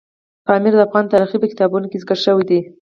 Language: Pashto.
پامیر د افغان تاریخ په کتابونو کې ذکر شوی دی.